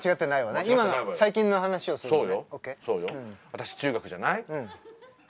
私中学じゃない？